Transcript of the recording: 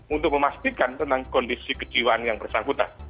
untuk memastikan tentang kondisi kejiwaan yang bersangkutan